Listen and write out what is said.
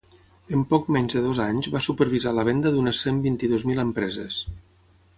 En poc menys de dos anys va supervisar la venda d’unes cent vint-i-dos mil empreses.